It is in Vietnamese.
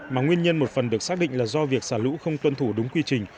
mà nguyên nhân một phần được xác định là do việc xả lũ không tuân thủ đúng quy trình